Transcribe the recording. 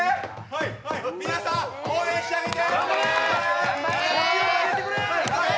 皆さん、応援してあげて！